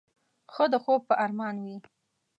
ښه د خوب په ارمان وې.